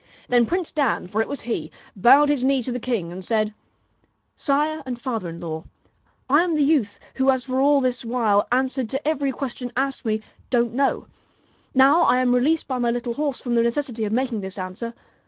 Then Prince Dan, for it was he, bowed his knee to the king, and said :' Sire and father in law, I am the youth who has for all this while answered to every question asked me, Don't know. Now I am re leased by my little horse from the necessity of making this answer.